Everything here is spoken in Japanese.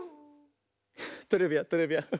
トレビアントレビアン。